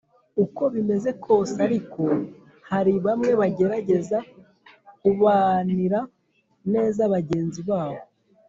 uko bimeze kose ariko, hari bamwe bagerageza kubanira neza bagenzi babo.